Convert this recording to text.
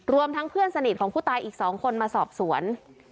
ทั้งเพื่อนสนิทของผู้ตายอีก๒คนมาสอบสวน